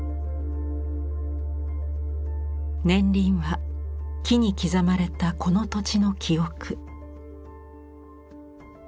年輪は木に刻まれたこの土地の記憶。